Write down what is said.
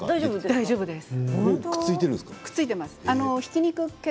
大丈夫です。